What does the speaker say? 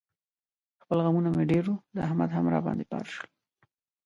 خپل غمونه مې ډېر و، د احمد هم را باندې بار شول.